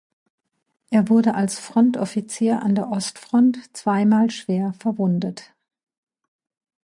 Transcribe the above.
Er wurde als Frontoffizier an der Ostfront zweimal schwer verwundet.